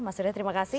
mas surya terima kasih